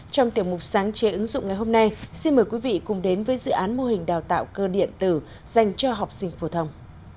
trong tiểu mục sáng chế ứng dụng ngày hôm nay xin mời quý vị cùng đến với dự án mô hình đào tạo cơ điện tử dành cho học sinh phổ thông